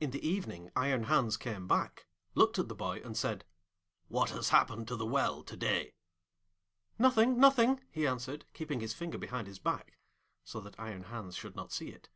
In the evening Iron Hans came back, looked at the boy, and said, 'What has happened to the well to day?' 'Nothing, nothing!' he answered, keeping his finger behind his back, so that Iron Hans should not see it.